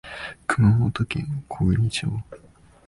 熊本県小国町